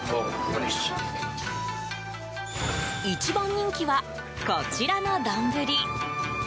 一番人気は、こちらの丼。